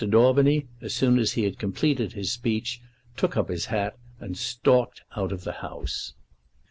Daubeny as soon as he had completed his speech took up his hat and stalked out of the House.